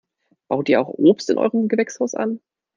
Baut ihr auch Obst in eurem Gewächshaus an?